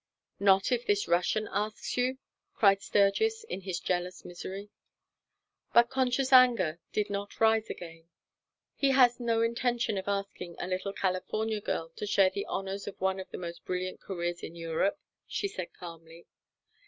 "Not if this Russian asks you?" cried Sturgis, in his jealous misery. But Concha's anger did not rise again. "He has no intention of asking a little California girl to share the honors of one of the most brilliant careers in Europe," she said calmly.